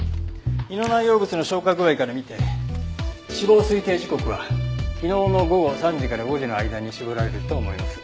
胃の内容物の消化具合から見て死亡推定時刻は昨日の午後３時から５時の間に絞られると思います。